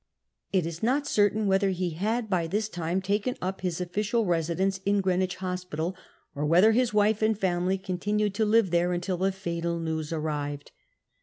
It is not certain whether he had by this time taken lip his official residence in Greenwich Hospital, or whether his wife and family continued to live there until the fatal news arrived.